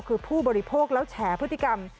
คือผู้บริโภคแล้วแฉพฤติกรรม